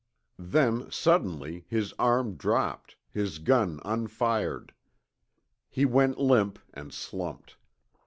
Then, suddenly, his arm dropped, his gun unfired. He went limp and slumped.